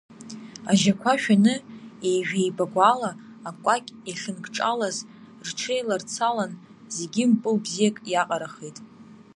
Ажьақәа шәаны еижәеибагәала акәакь иахьынкҿалаз рҽеиларцалан, зегьы мпыл бзиак иаҟарахеит.